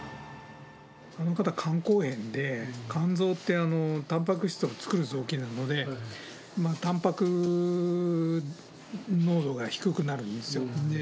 あの方、肝硬変で肝臓ってたんぱく質を作る臓器なので、たんぱく濃度が低くなるんですよ。